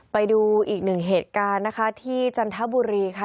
ไปดูอีกหนึ่งเหตุการณ์นะคะที่จันทบุรีค่ะ